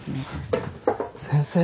先生